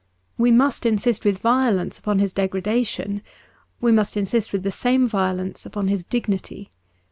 We must insist with violence upon his degradation ; we must insist with the same violence upon his dignity.